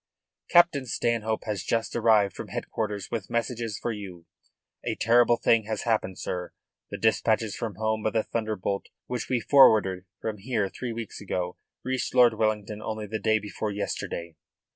"Captain Stanhope has just arrived from headquarters with messages for you. A terrible thing has happened, sir. The dispatches from home by the Thunderbolt which we forwarded from here three weeks ago reached Lord Wellington only the day before yesterday."